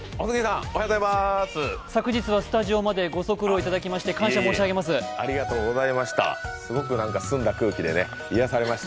昨日はスタジオまでご足労いただきまして、感謝申し上げます。